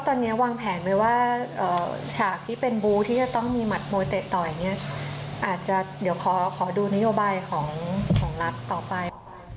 แต่ว่าฉากที่เป็นบู้ที่จะต้องมีหมัดม้วยเตะอาจจะขอดูนโยบายต่อไป